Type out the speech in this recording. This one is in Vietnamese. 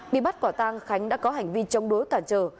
bị bắt quả tang khánh đã có hành vi chống đối cản trở